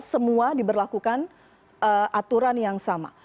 semua diberlakukan aturan yang sama